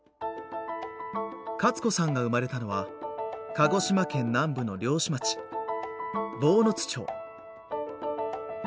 カツ子さんが生まれたのは鹿児島県南部の漁師町坊津町。